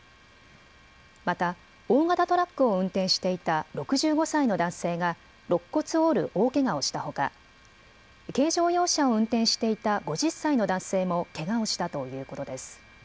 また大型トラックを運転していた６５歳の男性が、ろっ骨を折る大けがをしたほか軽乗用車を運転していた５０歳の男性もけがをしたということです。